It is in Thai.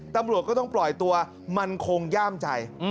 ตำรวจก็ต้องปล่อยตัวมันคงย่ามใจ